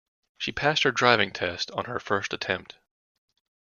She passed her driving test on her first attempt.